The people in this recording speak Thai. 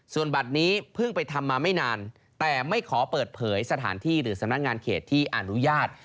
ส่วนบัตรนี้เพิ่งไปทำมาไม่นานแต่ไม่ขอเปิดเผยสถานที่หรือสำนักงานเขตที่อนุญาต